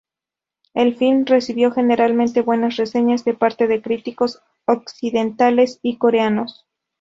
El film recibió generalmente buenas reseñas de parte de críticos occidentales y coreanos.